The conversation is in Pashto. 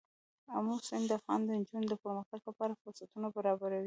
آمو سیند د افغان نجونو د پرمختګ لپاره فرصتونه برابروي.